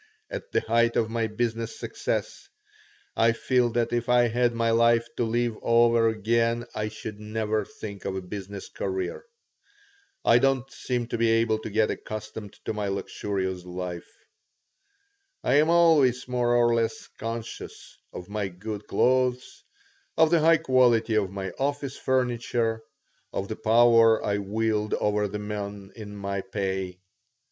At the height of my business success I feel that if I had my life to live over again I should never think of a business career. I don't seem to be able to get accustomed to my luxurious life. I am always more or less conscious of my good clothes, of the high quality of my office furniture, of the power I wield over the men in my pay.